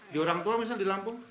di orang tua misalnya di lampung